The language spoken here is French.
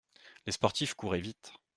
Les sportifs couraient vite.